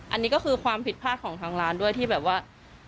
อันนี้ก็คือความผิดพลาดของทางร้านด้วยที่แบบว่า